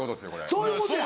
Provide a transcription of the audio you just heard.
そういうことや。